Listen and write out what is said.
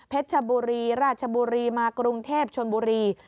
ชบุรีราชบุรีมากรุงเทพชนบุรี